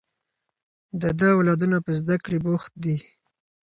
د ده اولادونه په زده کړې بوخت دي